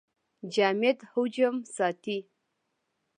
جامد حجم ساتي.